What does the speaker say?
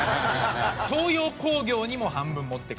東洋興業にも半分持っていかれる。